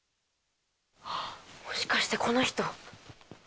もしかしてこの人。